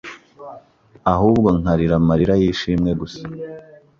ahubwo nkarira amarira y’ishimwe gusa